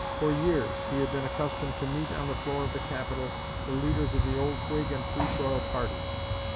For years he had been accustomed to meet on the floor of the Capitol the leaders of the old Whig and Free soil parties.